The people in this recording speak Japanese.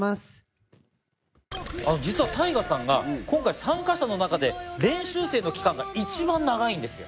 実はタイガさんが今回参加者の中で練習生の期間が一番長いんですよ。